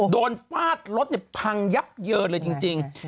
ฟาดรถพังยับเยินเลยจริง